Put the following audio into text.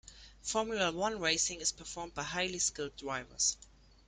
Formula one racing is performed by highly skilled drivers.